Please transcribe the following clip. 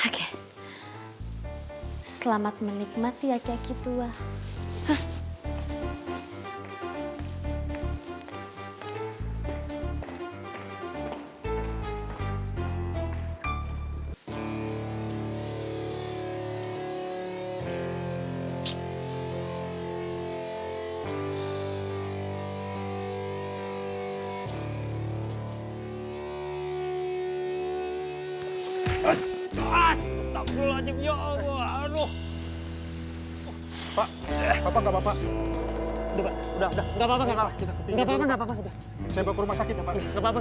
beneran saya gak sengaja